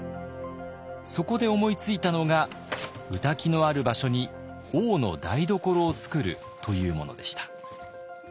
そこで思いついたのが御嶽のある場所に王の台所をつくるというものでした。